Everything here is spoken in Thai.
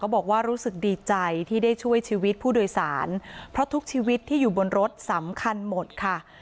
บอกว่ารู้สึกดีใจที่ได้ช่วยชีวิตผู้โดยสารเพราะทุกชีวิตที่อยู่บนรถสำคัญหมดค่ะ